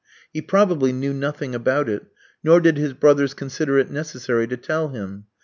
He probably knew nothing about it, nor did his brothers consider it necessary to tell him.